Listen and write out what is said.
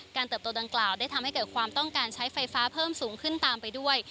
เติบโตดังกล่าวได้ทำให้เกิดความต้องการใช้ไฟฟ้าเพิ่มสูงขึ้นตามไปด้วย